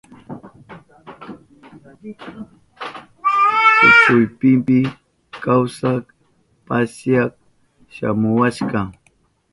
Kuchuynipi kawsak pasyak shamuwashka.